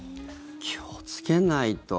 気をつけないと。